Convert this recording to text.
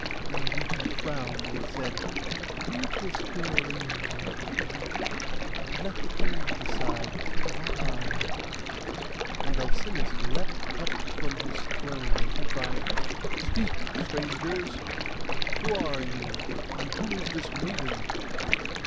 Then Arete frowned, and said, 'Lead this girl in, my maidens; and let the kings decide, not I.' And Alcinous leapt up from his throne, and cried, 'Speak, strangers, who are you? And who is this maiden?